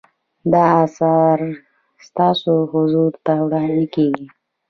دا اثر ستاسو حضور ته وړاندې کیږي.